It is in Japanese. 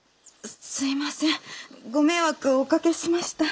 すみませんご迷惑をおかけしました。